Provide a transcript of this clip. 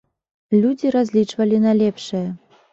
Людзі разлічвалі на лепшае.